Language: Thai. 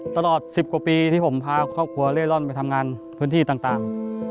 ตลอด๑๐กว่าปีที่ผมพาครอบครัวเล่ร่อนไปทำงานพื้นที่ต่าง